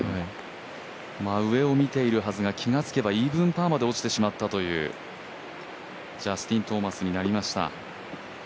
上を見ているはずが、気がつけばイーブンパーまで落ちてしまったというジャスティン・トーマスになりました。